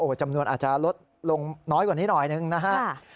จำนวนอาจจะลดลงน้อยกว่านี้หน่อยหนึ่งนะฮะ